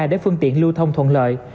để phương tiện lưu thông thuận lợi